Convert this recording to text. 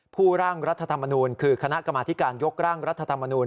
ร่างรัฐธรรมนูลคือคณะกรรมธิการยกร่างรัฐธรรมนูล